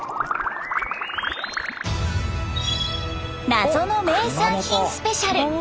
謎の名産品スペシャル。